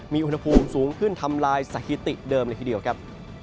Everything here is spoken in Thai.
มีอุณหภูมิสูงขึ้นทำลายสถิติเดิมเลยทีเดียวครับ